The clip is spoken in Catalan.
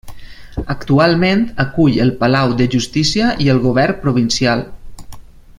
Actualment acull el Palau de Justícia i el Govern provincial.